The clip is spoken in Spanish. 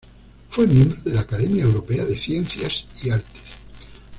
Fue miembro de la Academia Europea de Ciencias y Artes.